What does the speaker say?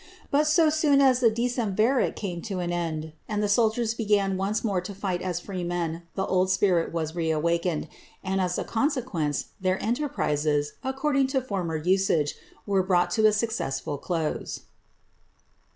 But so soon as the decemvirate came to an end, and the soldiers began once more to fight as free men, the old spirit was reawakened, and, as a consequence, their enterprises, according to former usage, were brought to a successful close.